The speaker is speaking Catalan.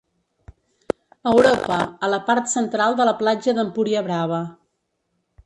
Europa, a la part central de la platja d'Empuriabrava.